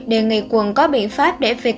đề nghị quần có biện pháp để việc